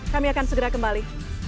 kami akan segera kembali